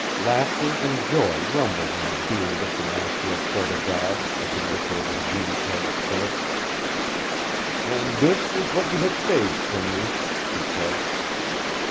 Laughter and joy rumbled in the beard of the master of Fort o' God as he looked over Jeanne's head at Philip. "And this is what you have saved for me," he said.